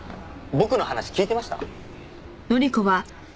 僕の話聞いてました？